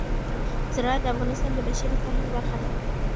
زراعت د افغانستان د بشري فرهنګ برخه ده.